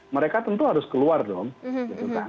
mereka tentu harus keluar dong